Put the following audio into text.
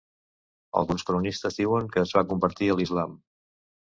Alguns cronistes diuen que es va convertir a l'islam.